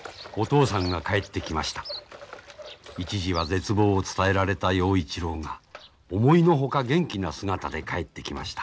一時は絶望を伝えられた陽一郎が思いの外元気な姿で帰ってきました。